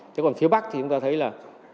thế còn phía bắc thì chúng ta thấy là